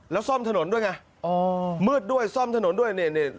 แล้วซ่อมถนนด้วยไงอ๋อมืดด้วยซ่อมถนนด้วยนี่